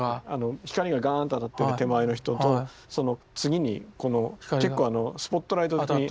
光がガーンと当たってる手前の人とその次に結構スポットライト当たってて。